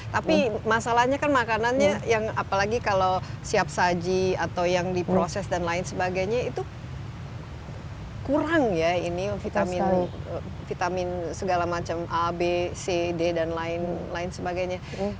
tapi masalahnya kan makanannya yang apalagi kalau siap saji atau yang diproses dan lain sebagainya itu kurang ya ini vitamin segala macam a b c d dan lain lain sebagainya